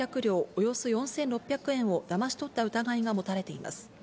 およそ４６００円をだまし取った疑いが持たれています。